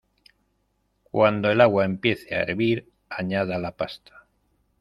Cuando el agua empiece a hervir añada la pasta.